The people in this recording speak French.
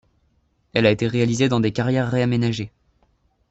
Elle a été réalisée dans des carrières réaménagées.